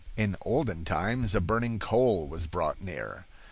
In olden times a burning coal was brought near.